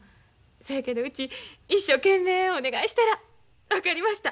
せやけどうち一生懸命お願いしたら「分かりました。